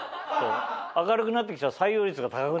明るくなってきたら採用率が高くなってきた。